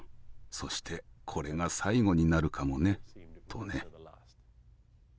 そしてこれが最後になるかもね」とね。